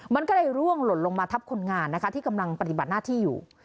มันก็เลยร่วงหล่นลงมาทับคนงานนะคะที่กำลังปฏิบัติหน้าที่อยู่